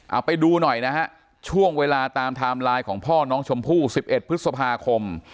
เอาไปดูหน่อยนะฮะช่วงเวลาตามไทม์ไลน์ของพ่อน้องชมพู่๑๑พฤษภาคม